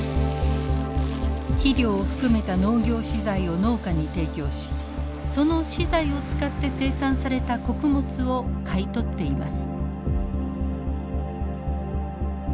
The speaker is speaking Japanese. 肥料を含めた農業資材を農家に提供しその資材を使って生産された穀物を買い取っています。